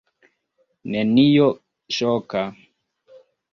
Nenio ŝoka.